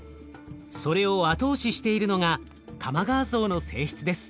それを後押ししているのが玉川層の性質です。